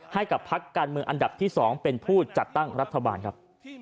ให้กับพักการเมืองอันดับที่๒เป็นผู้จัดตั้งรัฐบาลครับ